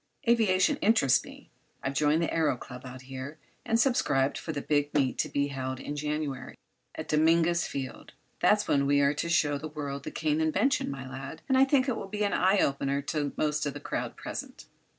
Aviation interests me. I've joined the Aëro Club out here and subscribed for the big meet to be held in January, at Dominguez Field. That's when we are to show the world the Kane invention, my lad, and I think it will be an eye opener to most of the crowd present."